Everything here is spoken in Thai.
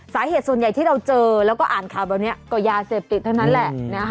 สาเหตุส่วนใหญ่ที่เราเจอแล้วก็อ่านข่าวแบบนี้ก็ยาเสพติดเท่านั้นแหละ